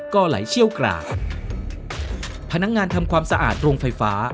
ก็ไหลเชี่ยวกรากพนักงานทำความสะอาดโรงไฟฟ้า